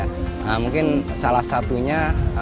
nah mungkin salah satunya